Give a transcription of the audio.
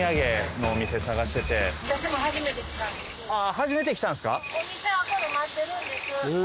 初めて来たんすか？